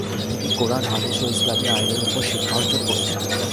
তিনি কুরআন, হাদিস ও ইসলামি আইনের উপর শিক্ষা অর্জন করেছেন।